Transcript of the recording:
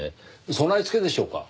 備え付けでしょうか？